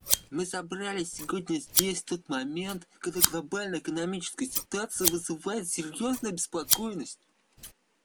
Мы собрались сегодня здесь в тот момент, когда глобальная экономическая ситуация вызывает серьезную обеспокоенность.